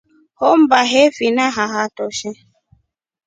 Hommba hefina haatoshe.